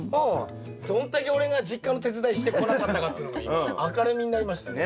どんだけ俺が実家の手伝いしてこなかったかっていうのが今明るみになりましたね。